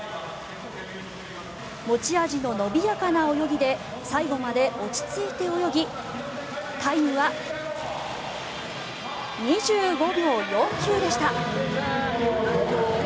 持ち味の伸びやかな泳ぎで最期まで落ち着いて泳ぎタイムは２５秒４９でした。